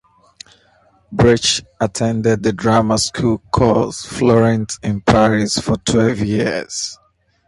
Bresch attended the drama school Cours Florent in Paris for twelve years.